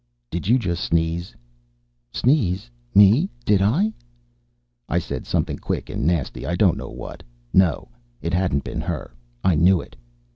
"Did you just sneeze?" "Sneeze? Me? Did I " I said something quick and nasty, I don't know what. No! It hadn't been her. I knew it.